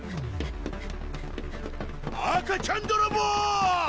赤ちゃん泥棒！